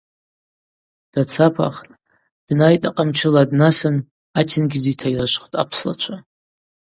Дацапахтӏ, днайтӏ акъамчыла днасын атенгьыз йтайрышвхтӏ апслачва.